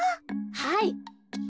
はい。